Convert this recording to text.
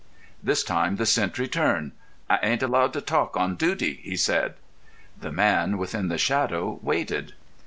This time the sentry turned. "I ain't allowed to talk on duty," he said. The man within the shadow waited.